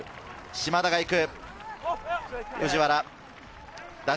島田が行く。